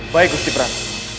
baik gusti prat